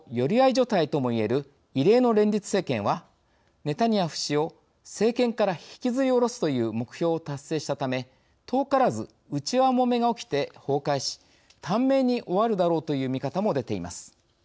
所帯とも言える異例の連立政権はネタニヤフ氏を政権から引きずり下ろすという目標を達成したため遠からず内輪もめが起きて崩壊し短命に終わるだろうという見方も出ています。